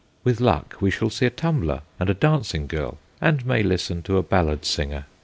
With luck we shall see a tumbler and a dancing girl, and may listen to a ballad singer.